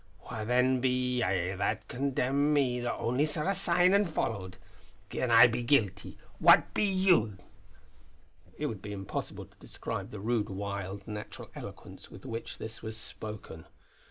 Wha then be ye that condemn me that only saw a sign an' followed? Gin I be guilty, what be you?" It would be impossible to describe the rude, wild, natural eloquence with which this was spoken.